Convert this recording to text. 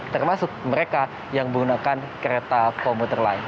termasuk mereka yang menggunakan kereta komuter lain